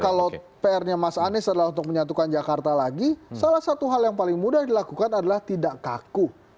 kalau pr nya mas anies adalah untuk menyatukan jakarta lagi salah satu hal yang paling mudah dilakukan adalah tidak kaku